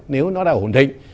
nếu nó đã ổn định